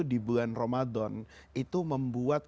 di bulan ramadan itu membuat